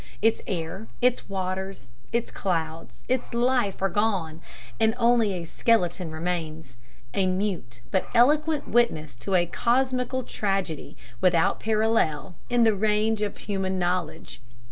Its air, its waters, its clouds, its life are gone, and only a skeleton remains—a mute but eloquent witness to a cosmical tragedy without parallel in the range of human knowledge.